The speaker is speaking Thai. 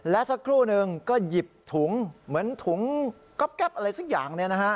และสักครู่หนึ่งก็หยิบถุงเหมือนถุงก๊อบแป๊บอะไรสักอย่าง